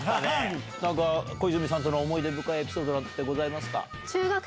何か小泉さんとの思い出深いエピソードございますか？